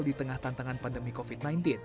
di tengah tantangan pandemi covid sembilan belas